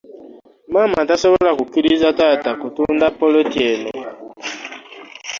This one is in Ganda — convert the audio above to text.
Maama tasobola kukiriza taata kutunda poloti eno.